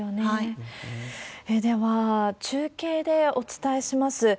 では、中継でお伝えします。